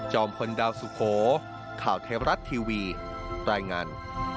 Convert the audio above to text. พลดาวสุโขข่าวเทวรัฐทีวีรายงาน